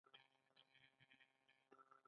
آیا چې د دې هیواد اصلي شتمني نه ده؟